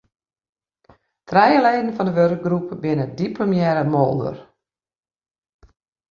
Trije leden fan de wurkgroep binne diplomearre moolder.